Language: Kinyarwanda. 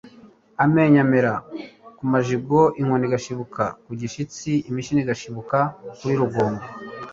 amenyo amerera ku majigo, inkoni igashibuka ku gishyitsi, imishino igashibuka kuri rugongo